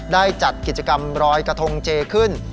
ได้จัดกิจกรรมรอยกระทงเจขึ้น